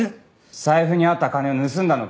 財布にあった金を盗んだのか？